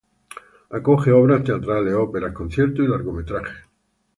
Acoge obras teatrales, óperas, conciertos y largometrajes.